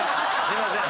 すいません。